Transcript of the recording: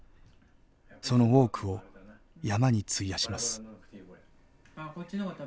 その多くを山に費やします。